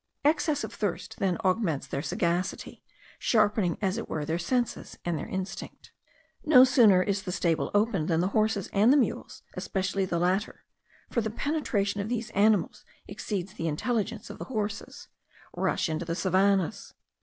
Excess of thirst then augments their sagacity, sharpening as it were their senses and their instinct. No sooner is the stable opened, than the horses and mules, especially the latter (for the penetration of these animals exceeds the intelligence of the horses), rush into the savannahs.